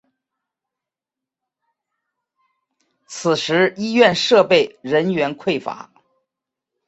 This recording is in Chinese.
此时医院设备人员匮乏。